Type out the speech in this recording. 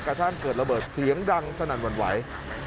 กระทั่งเกิดระเบิดเสียงดังสนั่นหวั่นไหว